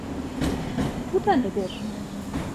Bu da nedir?